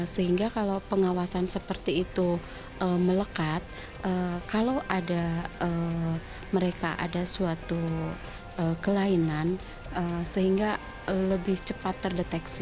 sehingga kalau pengawasan seperti itu melekat kalau ada mereka ada suatu kelainan sehingga lebih cepat terdeteksi